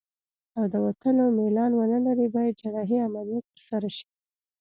او د وتلو میلان ونلري باید جراحي عملیه ترسره شي.